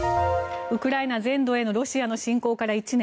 ウクライナ全土へのロシアの侵攻から１年。